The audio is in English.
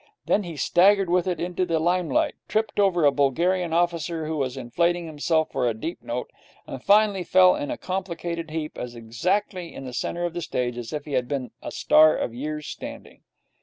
Then he staggered with it into the limelight, tripped over a Bulgarian officer who was inflating himself for a deep note, and finally fell in a complicated heap as exactly in the centre of the stage as if he had been a star of years' standing.